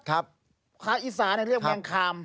คาอิสาเรียกแมงคาม